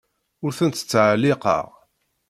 Ur tent-ttɛelliqeɣ.